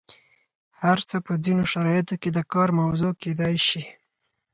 هر څه په ځینو شرایطو کې د کار موضوع کیدای شي.